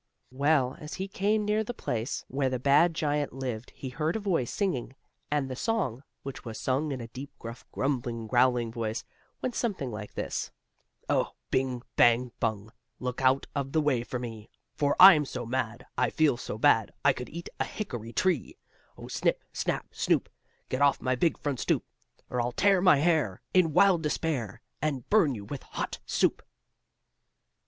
Well, as he came near the place where the bad giant lived he heard a voice singing. And the song, which was sung in a deep, gruff, grumbling, growling voice, went something like this: "Oh, bing bang, bung! Look out of the way for me. For I'm so mad, I feel so bad, I could eat a hickory tree! Oh, snip, snap, snoop! Get off my big front stoop, Or I'll tear my hair In wild despair, And burn you with hot soup!"